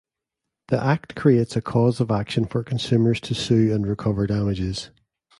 The Act creates a cause of action for consumers to sue and recover damages.